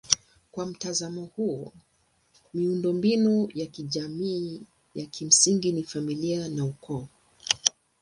Kwa mtazamo huo miundombinu ya kijamii ya kimsingi ni familia na ukoo.